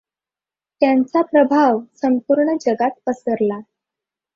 त्यांचा प्रभाव संपूर्ण जगात पसरला.